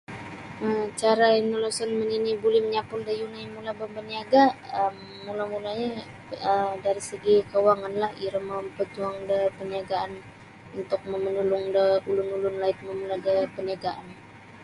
um Cara iniloson manini buli manyapul da yunai mula ba baniaga um mula-mulanyo um dari segi kawanganlah iro mau maparjuang da perniagaan untuk manulung da ulun ulun laid mamula da peniagaan.